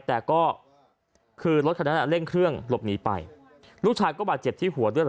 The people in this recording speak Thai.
แต่ก็คือรถคันนั้นเร่งเครื่องหลบหนีไปลูกชายก็บาดเจ็บที่หัวด้วยเหรอ